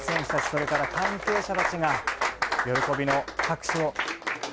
それから関係者たちが喜びの拍手を。